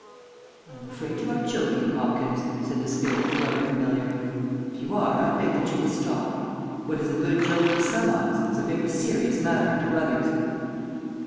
"I am afraid you are joking, Hopkins," said the spirit, growing familiar. "If you are, I beg that you will stop. What is a good joke to some eyes is a very serious matter to others."